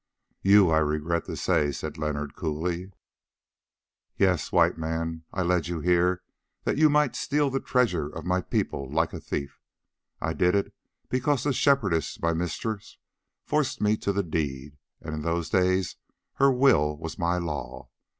"You, I regret to say," said Leonard coolly. "Yes, White Man, I led you here that you might steal the treasure of my people like a thief. I did it because the Shepherdess my mistress forced me to the deed, and in those days her will was my law.